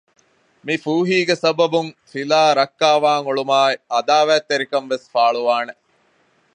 މި ފޫހީގެ ސަބަބުން ފިލާ ރައްކާވާން އުޅުމާއި ޢަދާވާތްތެރިކަން ވެސް ފާޅުވާނެ